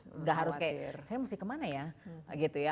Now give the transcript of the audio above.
nggak harus kayak saya mesti kemana ya gitu ya